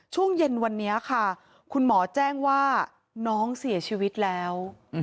ช่วงเย็นวันนี้ค่ะคุณหมอแจ้งว่าน้องเสียชีวิตแล้ว